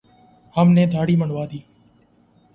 ہم نے دھاڑی منڈوادی